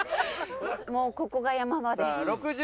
もうここが山場です。